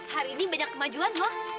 hari ini banyak kemajuan loh